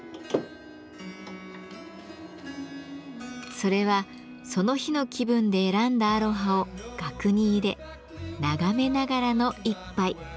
それはその日の気分で選んだアロハを額に入れ眺めながらの一杯。